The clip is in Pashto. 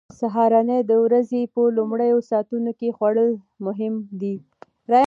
سهارنۍ د ورځې په لومړیو ساعتونو کې خوړل مهم دي.